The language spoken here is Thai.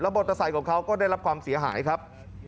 แล้วบทสายของเขาก็ได้รับความเสียหายครับ